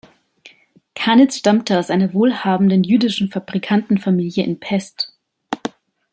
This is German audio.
Kanitz stammte aus einer wohlhabenden jüdischen Fabrikantenfamilie in Pest.